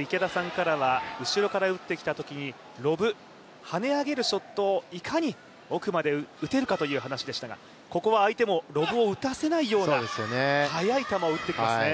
池田さんからは後ろに打ってきたときにロブ、跳ね上げるショットをいかに奥まで打てるかという話でしたがここは相手もロブを打たせないような、速い球を打ってきますね。